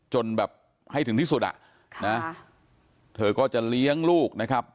จนแบบให้ถึงที่สุดอ่ะนะเธอก็จะเลี้ยงลูกนะครับ